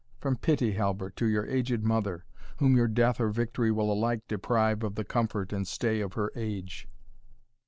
from pity, Halbert, to your aged mother, whom your death or victory will alike deprive of the comfort and stay of her age."